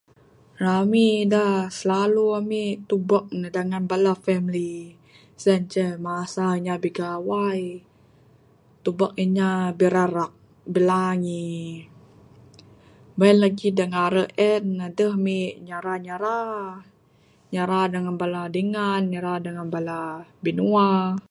Rami da slalu ami tubek ne dengan bala family sien inceh masa inya bigawai, tubek inya birarak, bilangi. Meng en lagi da ngare en adeh mi nyara nyara, nyara dangan bala dingan, nyara dangan bala binua.